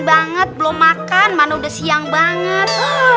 banget belum makan mana udah siang banget